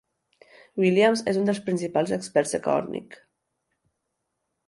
Williams és un dels principals experts de còrnic.